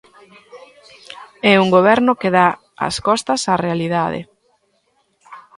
É un goberno que dá as costas á realidade.